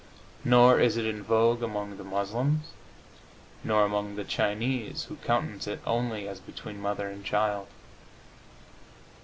Nor is it in vogue among the Moslems, nor among the Chinese, who countenance it only as between mother and child.